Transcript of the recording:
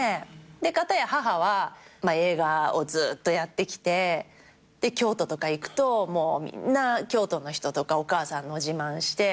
片や母は映画をずっとやってきて京都とか行くとみんな京都の人とかお母さんの自慢して。